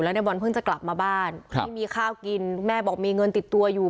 ในบอลเพิ่งจะกลับมาบ้านไม่มีข้าวกินแม่บอกมีเงินติดตัวอยู่